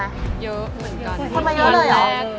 เยอะเหมือนกันคนมาเยอะเลยเหรอ